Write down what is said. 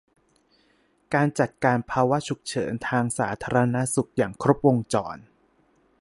การจัดการภาวะฉุกเฉินทางสาธารณสุขอย่างครบวงจร